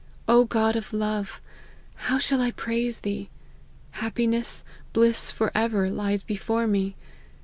O God of love, how shall I praise Thee ! happiness, bliss for ever, lies before me.